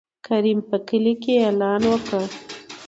کريم په کلي کې يې اعلان وکړ.